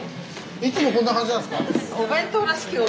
いつもこんな感じなんですか？